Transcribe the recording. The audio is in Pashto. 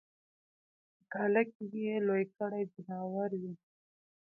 په کاله کی یې لوی کړي ځناور وي